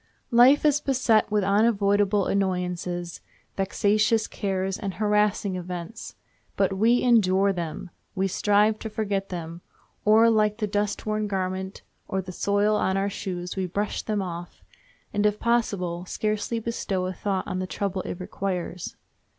Life is beset with unavoidable annoyances, vexatious cares, and harassing events. But we endure them—we strive to forget them—or, like the dustworn garment, or the soil on our shoes, we brush them off, and, if possible, scarcely bestow a thought on the trouble it requires.